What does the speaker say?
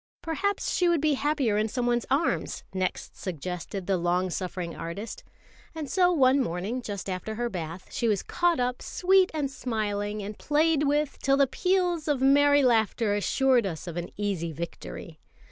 ] "Perhaps she would be happier in someone's arms," next suggested the long suffering artist; and so one morning, just after her bath, she was caught up, sweet and smiling, and played with till the peals of merry laughter assured us of an easy victory.